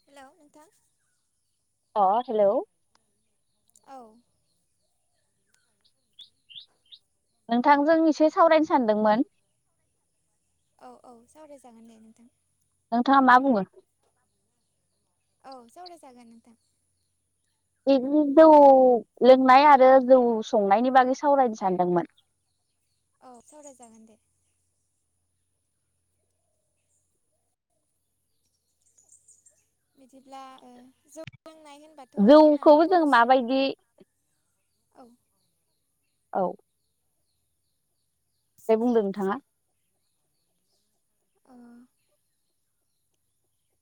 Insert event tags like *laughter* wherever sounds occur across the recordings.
Hello नोंथां? अ hello. औ। नोंथांजों एसे सावरायनो सानदोंमोन। औ औ सावरायजागोन दे नोंथां। नोंथाङा मा बुंओ? औ। सावराय जागोन नोंथां। बि जौ लोंनाय आरो जौ संनायनि बागै सावरायनो सानदोंमोन। औ सावराय जागोन दे। बिदिब्ला ओ जौ लोंनाय होन बाथ' जोंना जौखौ जों बर' माबायदि सुबुंफोर, औ। औ। ओमफ्राय बुंदो नोंथाङा। अ।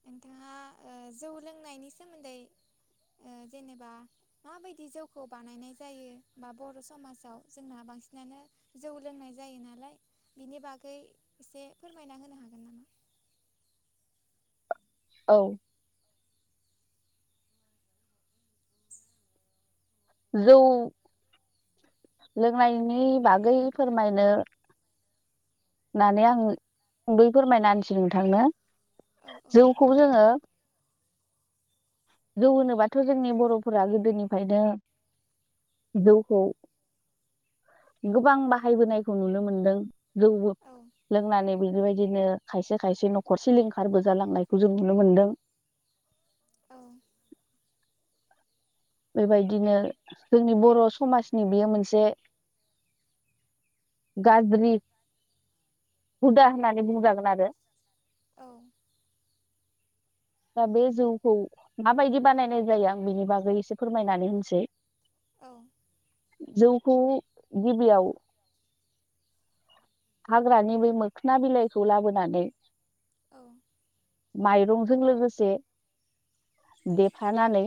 नोंथाङा ओ जौ लोंनायनि सोमोन्दै ओ जेनेबा माबायदि जौखौ बानायनाय जायो, बा बर' समाजाव जोंहा बांसिनानो जौ लोंनाय जायो नालाय। बिनि बागै एसे फोरमायना होनो हागोन नामा? औ। जौ लोंनायनि बागै फोरमायनो नानै आं सुंद'यै फोरमायना होन्सै नोंथांनो। औ औ जौखौ जोङो जौ होनोबाथ' जोंनि बर'फोरा गोदोनिफ्रायनो जौखौ गोबां बाहायबोनायखौ नुनो मोनदों। जौ औ लोंनानै बेफोरबायदिनो खायसे खायसे न'खर सिलिंखारबो जालांनायखौ जों नुनो मोन्दों। औ। बेबायदिनो जोंनि बर' समाजनि बियो मोनसे गाज्रि हुदा होननानै बुंजागोन आरो। औ। दा बे जौखौ माबायदि बानायनाय जायो आं बेनि बागै एसे फोरमायनानै होनिसै। औ। जौखौ गिबियाव हाग्रानि बै मोखोना बिलाइखौ लाबोनानै औ। माइरंजों लोगोसे देफानानै।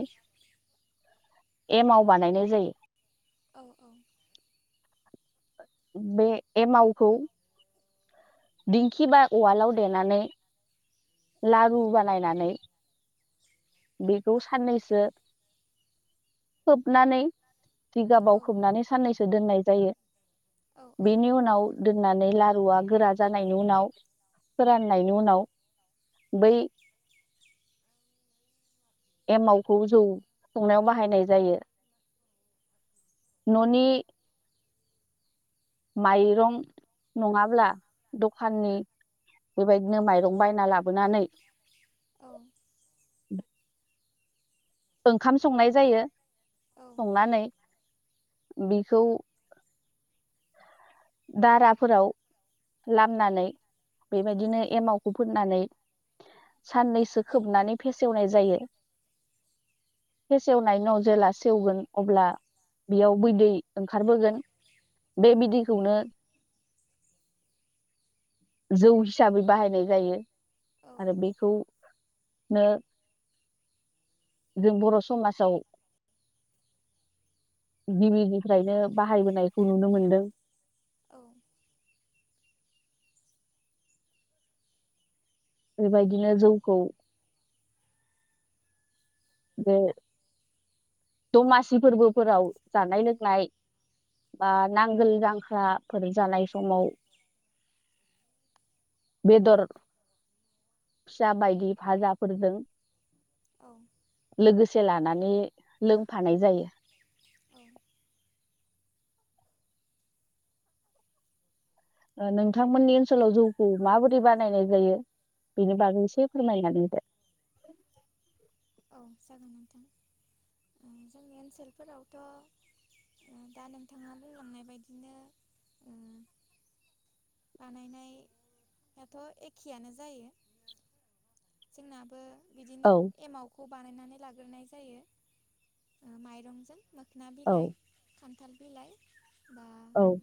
एमाव बानायनाय जायो। औ औ। बे एमावखौ। दिंखि बा उवालाव देनानै लारु बानायनानै बेखौ साननैसो खोबनानै जिगाबाव खोबनानै साननैसो दोननाय जायो औ औ बेनि उनाव दोननानै लारुआ गोरा जानायनि उनाव फोराननायनि उनाव बै एमावखौ जौ संनायाव बाहायनाय जायो न'नि माइरं नङाब्ला दखाननि बेबायदिनो माइरं बायना लाबोनानै औ। ओंखाम संनाय जायो संनानै बिखौ दाराफोराव लामनानै औ बेबायदिनो एमाव फोनानै साननैसो खोबनानै फेसेवनाय जायो। फेसेवनायनि उनाव जेला सेवगोन अब्ला बेयाव बैदै ओंखारबोगोन बे बिदैखौनो जौ हिसाबै बाहायनाय जायो औ आरो बेखौनो जों बर' समाजाव गिबिनिफ्रायनो बाहायबोनायखौ नुनो मोनदों। औ। बेबायदिनो जौखौ *unintelligible* दमासि फोरबोफोराव जानाय लोंनाय। बा नांगोल जांख्रा ओरै जानाय समाव बेदर फिसा बायदि फाजाफोरजों। औ लोगोसे लानानै लोंफानाय जायो। औ नोंथांमोननि ओनसोलाव जौखौ माबोरै बानायनाय जायो। बेनि बागै एसे फोरमायनानै हो। औ जागोन नोंथां। जोंनि ओनसोलफोरावथ' दा नोंथाङा बुंलांनाय बायदिनो। ओ *unintelligible* बानायनायाथ' एखेयानो जायो। जोंनाबो बिदिनो औ एमाव। खौ बानायनानै लाग्रोनाय जायो माइरंजों मोखोना औ बिलाइ। खान्थाल बिलाइ बा औ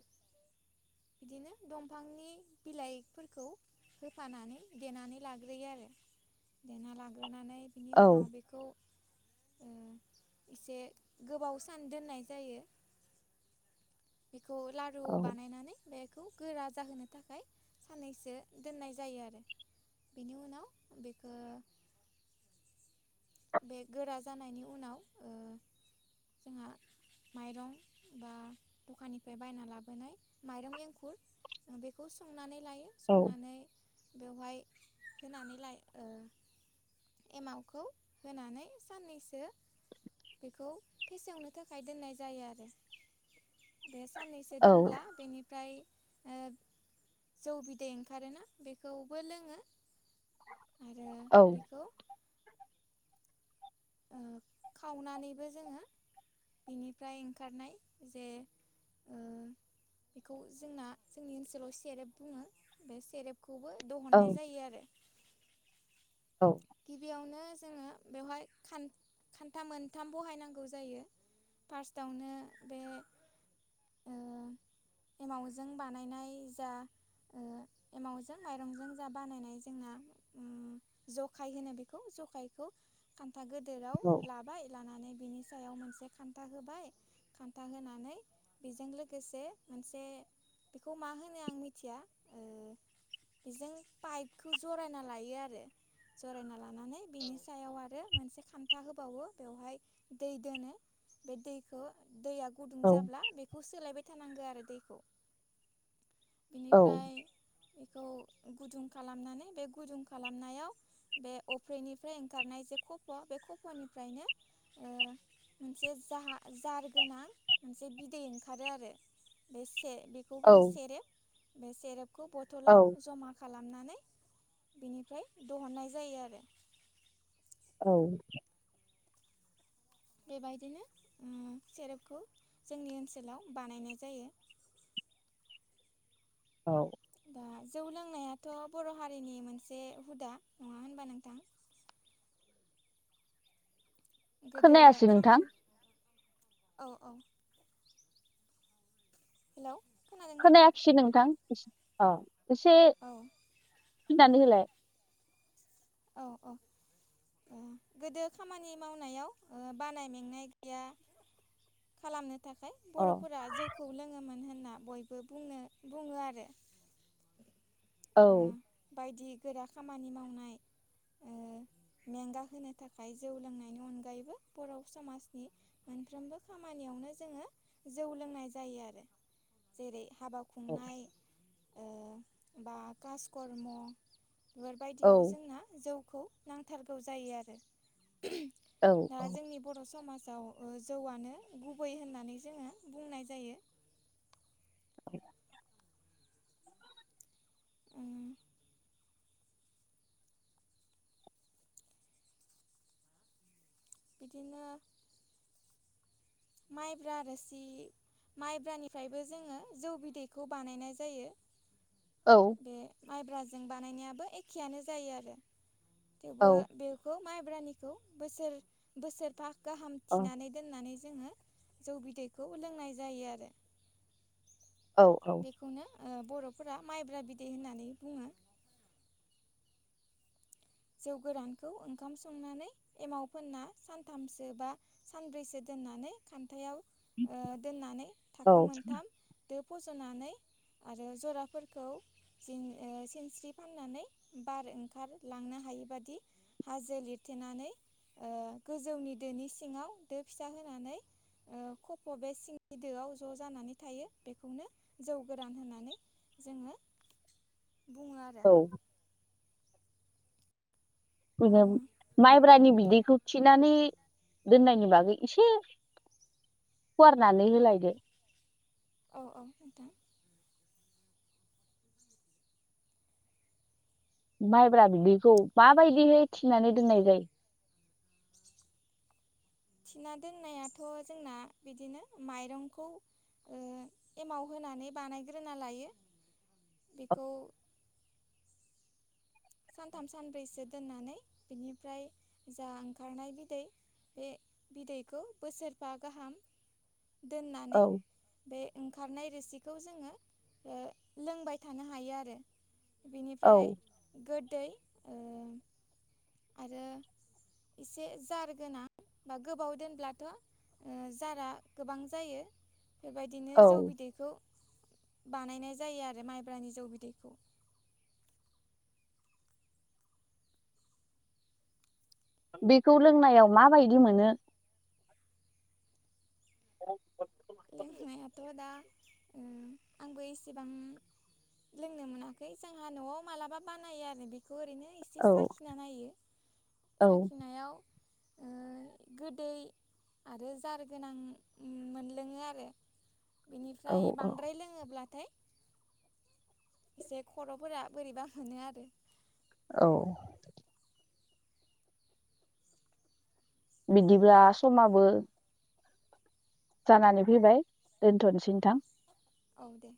बिदिनो दंफांनि बिलाइफोरखौ होफानानै देनानै लाग्रोयो आरो देना लाग्रोनानै बिनि उनाव बेखौ ओ एसे गोबाव सान दोननाय जायो। बेखौ लारु औ बानायनानै बेखौ गोरा जाहोनो थाखाय साननैसो दोननाय जायो आरो। बेनि उनाव बेखौ बे गोरा जानायनि उनाव ओ जोंहा माइरं बा दखाननिफ्राय बायना लाबोनाय माइरं एंखुर बेखौ संनानै लायो औ संनानै बेवहाय होनानै लायो ‌ओ एमावखौ होनानै साननैसो। बेखौ फेसेवनो थाखाय दोननाय जायो आरो बे साननैसो औ दोनब्ला बेनिफ्राय ओ जौ बिदै ओंखारोना बेखौबो लोङो। आरो औ बेखौ ओ‌ खावनानैबो जोङो बिनिफ्राय ओंखारनाय जे ओ बेखौ जोंना जोंनि ओनसोलावसेे सेरेब बुङो। बे सेरेपखौबो दिहुननाय जायो आरो। औ गिबियावनो जोङो बेवहाय खान-खानथा मोनथाम बाहायनांगौ जायो जायो। फार्स्टआवनो बे ओ *inaudible* एमावजों बानायनाय जा एमावजों माइरंजों जा बानायनाय जोंना। जखाय होनो बेखौ जखायखौ खान्थाागद गि दोराव लाबाय लानानै बिनि सायाव मोनसे खान्था होबाय खान्था होनानै बेजों लोगोसे मोनसे बेखौ मा होनो आं मिथिया ओ बेजों पाइपखौ जरायना लायो आरो जरायना लानानै बिनि सायाव आरो मोनसे खान्था बेवहाय दै दोनो बे दैखौ दैआ गुदुं औ जाब्ला बेखौ सोलायबाय थानांगौ आरो दैखौ। औ बिनिफ्राय बेखौ गुदुं खालामनानै बे गुदुं खालामनायाव बे अफ्रिनिफ्राय ओंखारनाय जे खफ' बे खफ'निफ्रायनो। ओ मोनसे जा-जारगोना मोनसे बिदै ओंखार खारो आरो बे बेखौ औ बुङो सेरेब बे सेरेबखौ औ बथलाव जमा खालामनानै बिनिफ्राय दिहुननाय जायो आरो औ बेबायदिनो उम सेरेपखौ जोंनि ओनसोलाव बानायनाय जायो। औ। दा जौ लोंनायाथ' बर' हारिनि मोनसे हुदा नङा होनबा नोंथां? गोदो खोनायासै नोंथां खामानि औ औ। हेलौ खोनादों ना? एसे नोंथां औ एसे औ। *unintelligible* औ औ। उम गोदो खामानि मावनायाव ओ बानाय मेंनाय गैया। खालामनो थाखाय अ बर'फोरा जौखौ लोङोमोन होनना बयबो बुङो। *unintelligible* औ। बायदि गोरा खामानि मावनाय। ओ *inaudible* मेंगा होनो थाखाय जौ लोंनायनि अनगायैबो बर' समाजनि। मोनफ्रोमबो खामानियावनो जोङो जौ लोंनाय जायो आरो जेरै हाबा औ खुंनाय। ओ बा कासकर्म' बेफोरबायदियाव औ जोंना जौखौ नांथारगौ जायो आरो औ दा औ जोंनि बर समाजाव ओ जौआनो गुबै होननानै जोङो बुंनाय जायो। *inaudible* ओ। बिदिनो। माइब्रा रोसि माइब्रानिफ्रायबो जोङो जौ बिदैखौ बानायनाय जायो। औ। बे माइब्राजों बानायनायाबो एखेयानो जायो आरो थेवबो बे। खौ माइब्रानिखौ बोसोरफा गाहाम औ थिनानै दोननानै जोङो जौ बिदैखौ लोंनाय जायो आरो औ बेखौनो बर'फोरा माइब्रा बिदै होननानै बुङो जौ गोरानखौ ओंखाम संनानै एमाव फोनना सानथामसो बा। सानब्रैसो दोननानै खान्थायाव दोननानै औ थाखो मोनथाम। दो फज'नानै। आरो जराफोरखौ ओ सिनस्रि फाननानै बार ओंखार। लांनो हायि बादि। हाजो लिरथेनानै ओ गोजौनि दोनि सिङाव दो फिसा होनानै। ओ खफ' बे सिंगि दोआव ज' जानानै थायो बेखौनो जौ गोरान होनानै। जोङो बुङो आरो। औ। ओ बिनो माइब्रानि बिदैखौ थिनानै दोननायनि बागै एसे। फुवारनानै होलायदो। औ औ नोंथां। माइब्रा बिदैखौ माबायदिहै थिनानै दोननाय जायो। *unintelligible* थिना दोननायाथ' जोंना बिदिनो माइरंखौ। ओ एमाव होनानै बानायग्रोना लायो बेखौ। सानथाम सानब्रैसो दोननानै बिनिफ्राय जा ओंखारनाय बिदै। बे बिदैखौ बोसोरबा गाहाम दोननानै। औ बे ओंखारनाय रोसिखौ जोङो ओ लोंबाय थानो हायो आरो औ बेनिफ्राय गोदै ओ आरो एसे जार गोनां बा गोबाव दोनब्लाथ' ओ जारा गोबां जायो बेबायदिनो औ जौ बिदैखौ बानायनाय जायो आरो माइब्रानि जौ बिदैखौ बेखौ लोंनायाव माबायदि मोनो *inaudible* लोंनायाथ' दा ओ आंबो एसेबां लोंनो मोनाखै जोंहा न'आव मालाबा बानायो आरो बे खौ ओरैनो एसे औ साखिना नायो औ साखिनायाव ओ गोदै आरो जार गोनां मोन लोङो आरो औ बिनिफ्राय औ बांद्राय लोङोब्लाथाय एसे खर'फोरा बोरैबा मोनो आरो औ बिदिब्ला समाबो जानानै फैबाय दोनथ'न औ औ दे